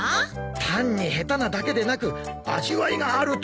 単に下手なだけでなく味わいがあると大絶賛でした。